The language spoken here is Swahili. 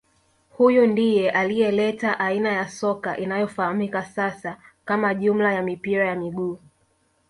Huyu ndiye aliyeleta aina ya soka inayofahamika sasa kama jumla ya mipira ya miguu